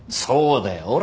そうだよ